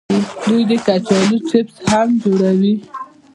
دوی د کچالو چپس هم جوړوي.